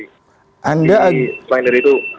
jadi selain dari itu